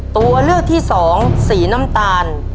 ตัวเลือกที่สองสีน้ำตาล